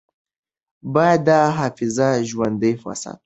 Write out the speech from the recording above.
باید دا حافظه ژوندۍ وساتو.